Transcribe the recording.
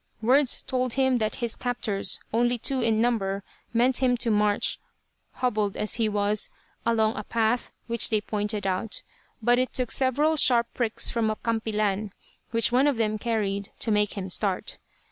Words told him that his captors, only two in number, meant him to march, hobbled as he was, along a path which they pointed out; but it took several sharp pricks from a "campilan" which one of them carried, to make him start.